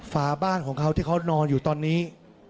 ฝาบ้านของเขาที่เขานอนอยู่ตอนนี้